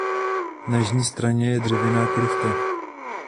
Na jižní straně je dřevěná kruchta.